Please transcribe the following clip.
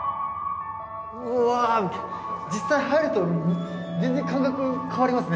うわ実際入ると全然感覚変わりますね。